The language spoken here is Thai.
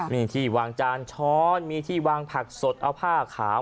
มีที่วางจานช้อนมีที่วางผักสดเอาผ้าขาว